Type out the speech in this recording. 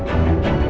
dia sangat peduli